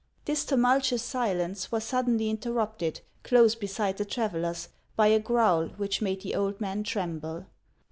This tumultuous silence was suddenly interrupted, close beside the travellers, by a growl which made the old man tremble.